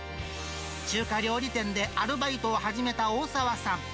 中華料理店でアルバイトを始めた大澤さん。